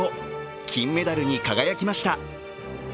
金メダルに輝きました。